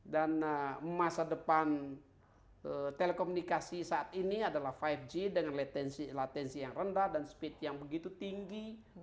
dan masa depan telekomunikasi saat ini adalah lima g dengan latensi yang rendah dan speed yang begitu tinggi